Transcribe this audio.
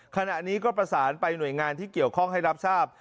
ขณะนี้ก็ประสานไปหน่วยงานที่เกี่ยวข้องให้รับทราบ